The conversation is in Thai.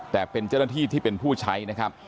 แต่เป็นเจ้าหน้าที่ที่เป็นผู้ใช้นะครับ